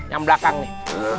yang belakang nih